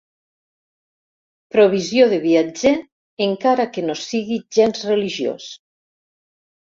Provisió de viatger, encara que no sigui gens religiós.